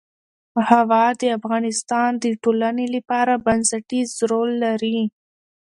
هوا د افغانستان د ټولنې لپاره بنسټيز رول لري.